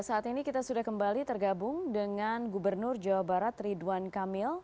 saat ini kita sudah kembali tergabung dengan gubernur jawa barat ridwan kamil